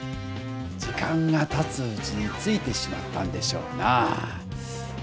時間がたつうちについてしまったんでしょうなぁ。